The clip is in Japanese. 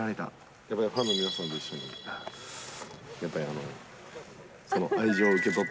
やっぱりファンの皆さんと一緒に、その愛情を受け取って。